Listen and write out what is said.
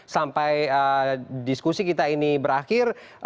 sampai diskusi kita ini berakhir